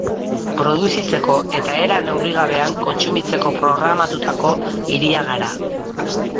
Produzitzeko eta era neurrigabean kontsumitzeko programatutako hiria gara.